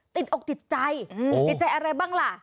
ติดอกติดใจติดใจอะไรบ้างล่ะ